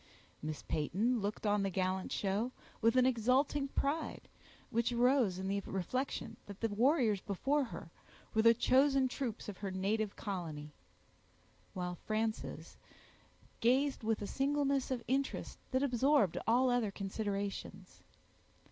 Miss Peyton looked on the gallant show with an exulting pride, which arose in the reflection that the warriors before her were the chosen troops of her native colony; while Frances gazed with a singleness of interest that absorbed all other considerations.